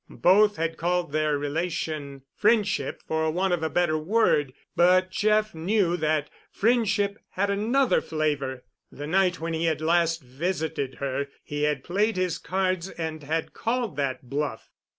Both had called their relation friendship for want of a better word, but Jeff knew that friendship had another flavor. The night when he had last visited her he had played his cards and had called that bluff.